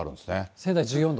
仙台１４度。